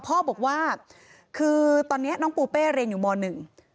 พ่อบอกว่าคือตอนเนี้ยน้องปูเป้เรียนอยู่มหนึ่ง